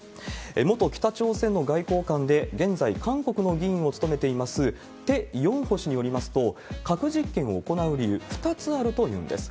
元北朝鮮の外交官で、現在、韓国の議員を務めています、テ・ヨンホ氏によりますと、核実験を行う理由、２つあるというんです。